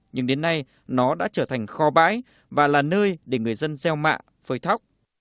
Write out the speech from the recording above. nhưng đến nay nó đã trở thành kho bãi và là nơi để người dân gieo mạ phơi thóc